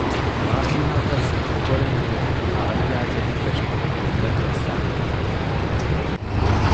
ވާހިންނަށްވެސް އިރުކޮޅެއްނުވެ ތާއްޔާޖެހެން ފެށުމުން ނިދަން ޖައްސާލިތަނާ ނިދިއްޖެ